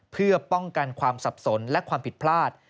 เพื่อป้องกันความสับสนและความผิดพลาด